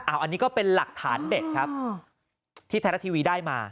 อันนี้ก็เป็นหลักฐานเด็ดครับที่ไทยรัฐทีวีได้มา